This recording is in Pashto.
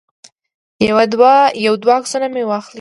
یو دوه عکسونه مې واخلي.